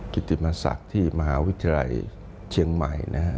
กิติมศักดิ์ที่มหาวิทยาลัยเชียงใหม่นะฮะ